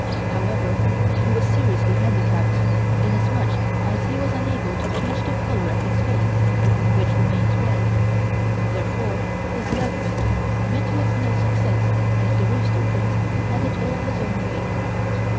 However, he was seriously handicapped inasmuch as he was unable to change the color of his face, which remained red, therefore his love making met with no success and the rooster prince had it all his own way.